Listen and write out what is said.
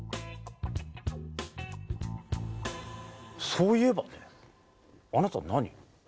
そういえばねあなた何？